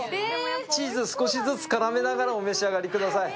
チーズ少しずつ絡めながらお召し上がりください。